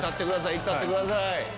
行ったってください。